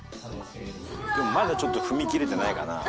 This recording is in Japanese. でもまだちょっと踏み切れてないかな。